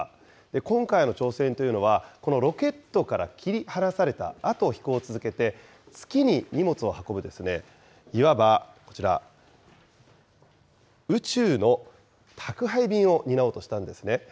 今回の挑戦というのは、このロケットから切り離されたあと、飛行を続けて、月に荷物を運ぶ、いわば、こちら、宇宙の宅配便を担おうとしたんですね。